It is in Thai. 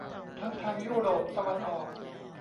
ทั้งทางยุโรปตะวันออก